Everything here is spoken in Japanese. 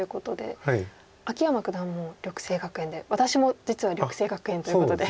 秋山九段も緑星学園で私も実は緑星学園ということで。